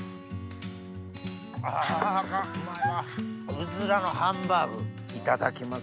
うずらのハンバーグいただきます。